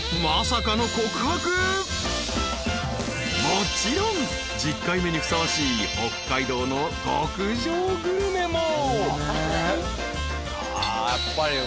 ［もちろん１０回目にふさわしい北海道の極上グルメも］